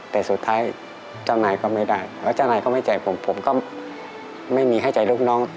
ถ้าคุณพ่อไม่ใจผมผมก็ไม่มีให้ใจลูกน้อง